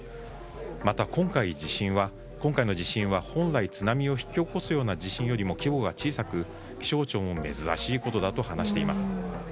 また、今回の地震は本来、津波を引き起こすような地震よりも規模が小さく、気象庁も珍しいことだと話しています。